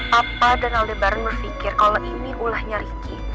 papa dan aldebaran berfikir kalau ini ulahnya ricky